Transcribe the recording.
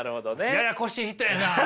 ややこしい人やな。